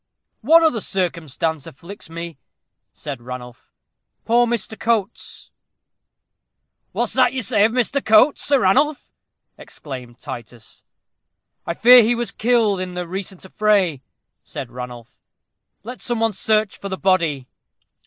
"One other circumstance afflicts me," said Ranulph. "Poor Mr. Coates!" "What's that you say of Mr. Coates, Sir Ranulph?" exclaimed Titus. "I fear he was killed in the recent affray," said Ranulph. "Let some one search for the body."